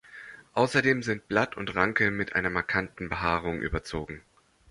Außerdem sind Blatt und Ranke mit einer markanten Behaarung überzogen.